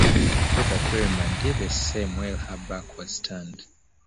Robert Perryman did the same while her back was turned.